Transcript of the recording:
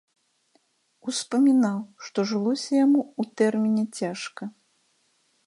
Успамінаў, што жылося яму ў тэрміне цяжка.